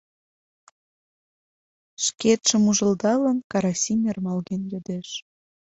Шкетшым ужылдалын, Карасим ӧрмалген йодеш: